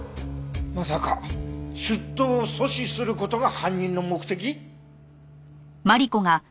まさか出頭を阻止する事が犯人の目的？